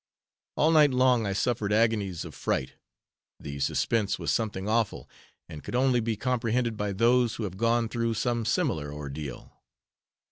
All night long I suffered agonies of fright, the suspense was something awful, and could only be comprehended by those who have gone through some similar ordeal.